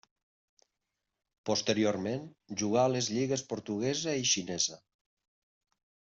Posteriorment, jugà a les lligues portuguesa i xinesa.